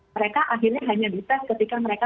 mereka akhirnya hanya dites ketika mereka